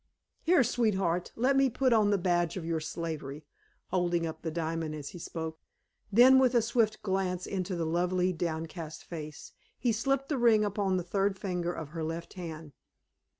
"Here, sweetheart, let me put on the badge of your slavery," holding up the diamond as he spoke. Then with a swift glance into the lovely, downcast face he slipped the ring upon the third finger of her left hand.